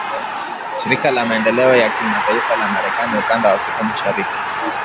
Shirika la Maendeleo ya Kimataifa la Marekani Ukanda wa Afrika Mashariki